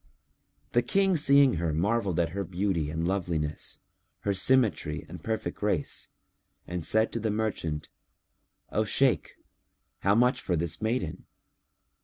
The King seeing her marvelled at her beauty and loveliness, her symmetry and perfect grace and said to the merchant, "O Shaykh, how much for this maiden?"